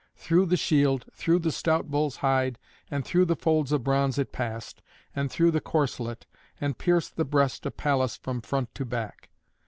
Through the shield, through the stout bull's hide, and through the folds of bronze it passed, and through the corslet, and pierced the breast of Pallas from front to back.